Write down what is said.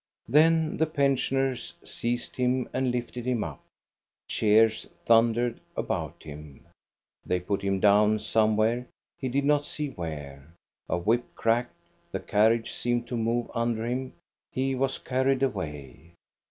Then the pensioners seized him and lifted him up. Cheers thundered about him. They put him down somewhere, he did not see where. A whip cracked, the carriage seemed to move under him. He was carried away.